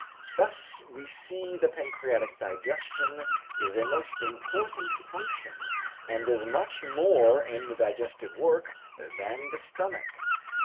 Thus we see that pancreatic digestion is a most important function, and does much more in the digestive work than the stomach.